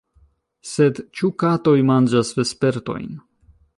Sed ĉu katoj manĝas vespertojn?